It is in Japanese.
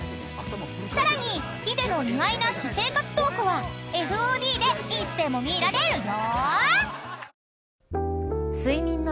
［さらにヒデの意外な私生活トークはＦＯＤでいつでも見られるよ］